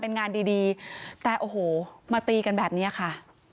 เป็นงานดีดีแต่โอ้โหมาตีกันแบบนี้ค่ะ